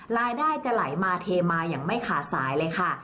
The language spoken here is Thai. รายได้จะไหลมาเทมาอย่างไม่ขาดสายเลยค่ะ